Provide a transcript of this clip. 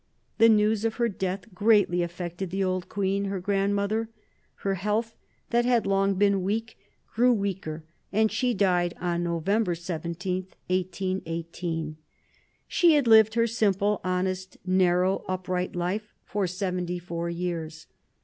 The news of her death greatly affected the old queen, her grandmother. Her health, that had long been weak, grew weaker, and she died on November 17, 1818. She had lived her simple, honest, narrow, upright life for seventy four years.